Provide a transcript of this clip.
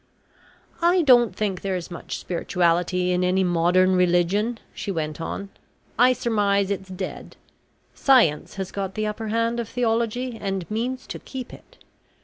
"I don't think there is much spirituality in any modern religion," she went on. "I surmise it's dead. Science has got the upper hand of theology and means to keep it.